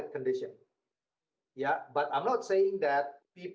oke anda ada waktu pak hatip